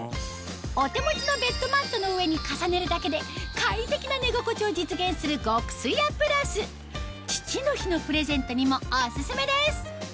お手持ちのベッドマットの上に重ねるだけで快適な寝心地を実現する極すやプラス父の日のプレゼントにもオススメです